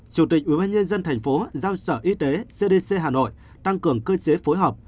chủ tịch ubnd tp giao sở y tế cdc hà nội tăng cường cơ chế phối hợp